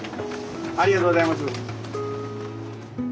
ありがとうございます。